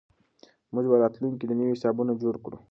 موږ به په راتلونکي کې نوي حسابونه جوړ کړو.